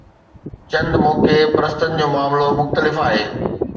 چند موقعي پرستن جو معاملو مختلف آهي.